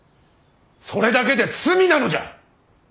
それだけで罪なのじゃ！